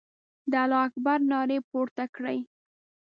د الله اکبر نارې پورته کړې.